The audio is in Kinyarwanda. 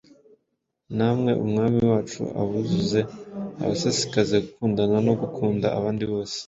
Namwe Umwami wacu abuzuze, abasesekaze gukundana no gukunda abandi bose,